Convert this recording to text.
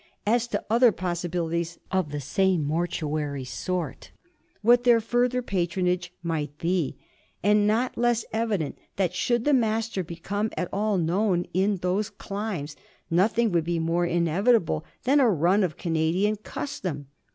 as to other possibilities of the same mortuary sort, what their further patronage might be; and not less evident that should the Master become at all known in those climes nothing would be more inevitable than a run of Canadian custom.